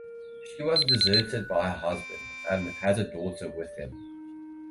She was deserted by her husband, and has a daughter with him.